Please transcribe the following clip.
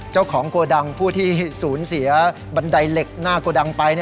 โกดังผู้ที่สูญเสียบันไดเหล็กหน้าโกดังไป